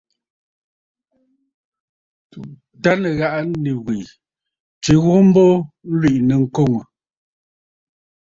Tâ nɨ̀ghàꞌà nì wè tswe ghu mbo, ǹlwìꞌì nɨ̂ŋkoŋə̀.